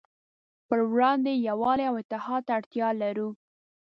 پروړاندې یې يووالي او اتحاد ته اړتیا لرو.